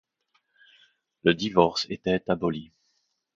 Le divorce était aboli.